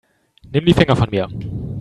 Nimm die Finger von mir.